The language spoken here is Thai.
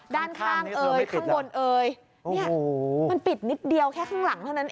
ด้านข้างเอ่ยข้างบนเอ่ยเนี่ยมันปิดนิดเดียวแค่ข้างหลังเท่านั้นเอง